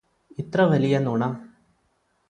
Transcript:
ഇത്ര വലിയ നുണ